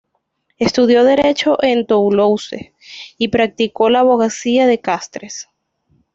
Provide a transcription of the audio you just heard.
Estudió derecho en Toulouse, y practicó la abogacía de Castres.